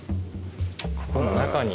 ここの中に。